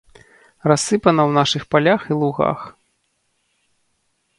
Рассыпана ў нашых палях і лугах.